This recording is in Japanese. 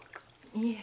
いえ。